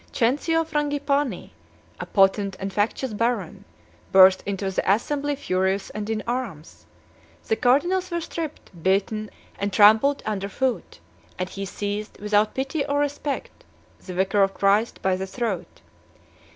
Cencio Frangipani, 14 a potent and factious baron, burst into the assembly furious and in arms: the cardinals were stripped, beaten, and trampled under foot; and he seized, without pity or respect, the vicar of Christ by the throat.